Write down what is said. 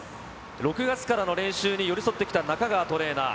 ６月からの練習に寄り添ってきた中川トレーナー。